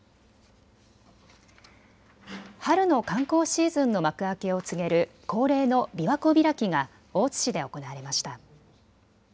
春の観光シーズンの幕開けを告げる恒例のびわ湖開きが大津市で行われました。